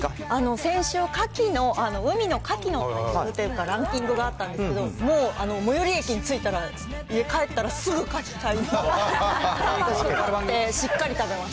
先週、カキの、海のカキの特集というか、ランキングがあったんですけど、もう最寄り駅に着いたら、家帰ったら、すぐカキ買いました。